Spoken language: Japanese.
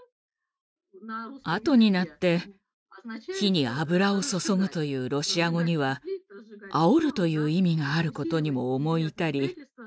あとになって「火に油を注ぐ」というロシア語には「煽る」という意味があることにも思い至り